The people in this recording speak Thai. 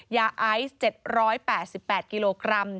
ยาไอซ์๗๘๘กิโลกรัม